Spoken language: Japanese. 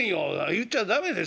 言っちゃ駄目です。